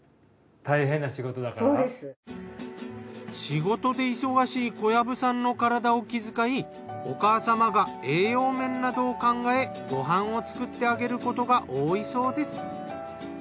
仕事で忙しい小藪さんの体を気遣いお母様が栄養面などを考えご飯を作ってあげることが多いそうです。